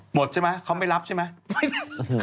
หมดใช่ไหมเขาไม่รับใช่ไหม